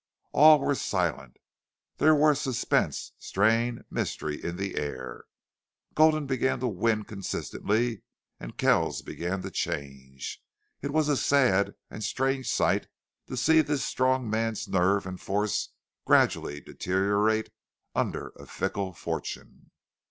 All were silent. There were suspense, strain, mystery in the air. Gulden began to win consistently and Kells began to change. It was a sad and strange sight to see this strong man's nerve and force gradually deteriorate under a fickle fortune.